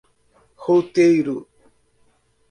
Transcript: Roteiro